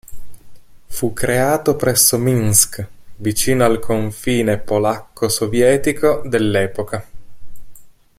Fu creato presso Minsk, vicino al confine polacco-sovietico dell'epoca.